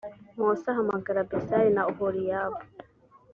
mose ahamagara besal li na oholiyabu